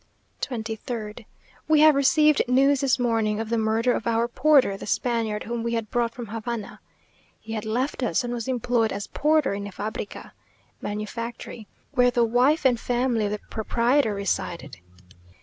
23rd. We have received news this morning of the murder of our porter, the Spaniard whom we had brought from Havana. He had left us, and was employed as porter in a fabrica (manufactory), where the wife and family of the proprietor resided.